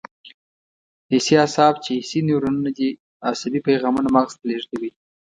حسي اعصاب چې حسي نیورونونه دي عصبي پیغامونه مغز ته لېږدوي.